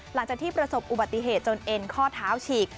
หลังจากที่ประสบอุบัติเหตุจนเอ็นข้อเท้าฉีก